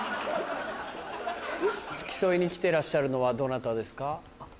付き添いに来てらっしゃるのはどなたですか？